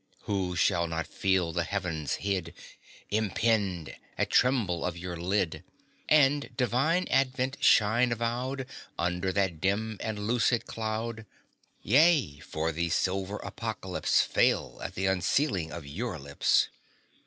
Who shall not feel the Heavens hid Impend, at tremble of your lid, And divine advent shine avowed Under that dim and lucid cloud; Yea, 'fore the silver apocalypse Fail, at the unsealing of your lips?